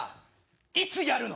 いつやるの？